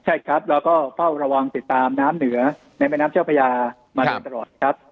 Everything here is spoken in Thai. ใช่ครับเราก็เฝ้าระวังติดตามน้ำเหนือในแม่น้ำเจ้าพระยามาโดยตลอดครับ